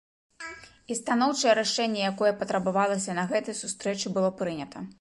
І станоўчае рашэнне, якое патрабавалася, на гэтай сустрэчы было прынята.